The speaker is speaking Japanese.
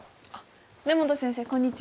根元先生こんにちは。